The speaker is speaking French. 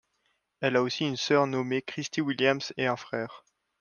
Elle a aussi une sœur nommée Kristy Williams et un frère.